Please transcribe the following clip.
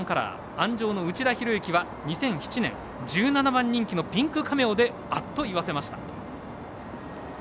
鞍上の内田博幸は２００７年１７番人気のピンクカメオであっと言わせました。